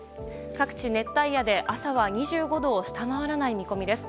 各地、熱帯夜で朝は２５度を下回らない見込みです。